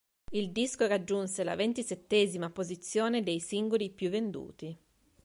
Il disco raggiunse la ventisettesima posizione dei singoli più venduti..